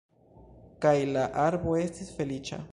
Kaj la arbo estis feliĉa.